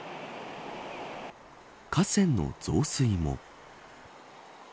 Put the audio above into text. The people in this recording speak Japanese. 河川の増水も。